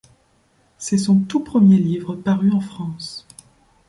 C’est son tout premier livre paru en France.